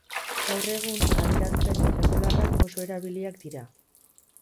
Gaur egun, adierazpen erregularrak oso erabiliak dira.